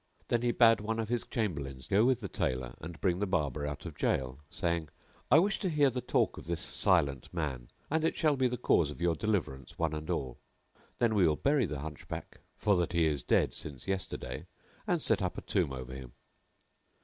Then he bade one of his Chamberlains go with the Tailor and bring the Barber out of jail, saying, "I wish to hear the talk of this Silent Man and it shall be the cause of your deliverance one and all: then we will bury the Hunchback, for that he is dead since yesterday, and set up a tomb over him."